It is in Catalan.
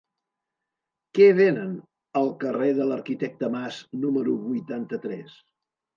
Què venen al carrer de l'Arquitecte Mas número vuitanta-tres?